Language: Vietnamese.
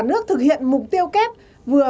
việc thực hiện mục tiêu kết vừa